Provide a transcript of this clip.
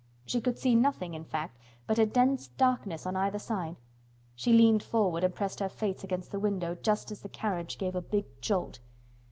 She could see nothing, in fact, but a dense darkness on either side. She leaned forward and pressed her face against the window just as the carriage gave a big jolt.